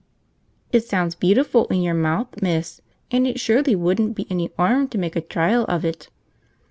"It sounds beautiful in your mouth, miss, and it surely wouldn't be any 'arm to make a trial of it."